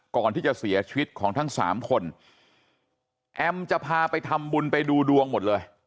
ก่อนที่จะเสียชีวิตของทั้งสามคนแอมจะพาไปทำบุญไปดูดวงหมดเลย